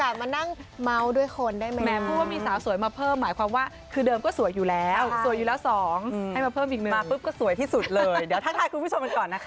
สวัสดีค่ะคุณผู้ชม